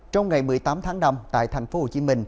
trong ngày một mươi tám tháng năm tại tp hcm